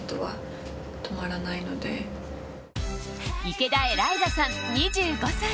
池田エライザさん、２５歳。